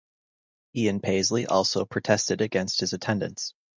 Ian Paisley also protested against his attendance.